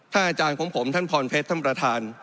ถ้าอาจารย์ของผมท่านพรเพชรท่านประธาน